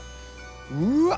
うわっ！